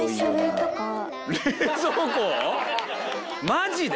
マジで？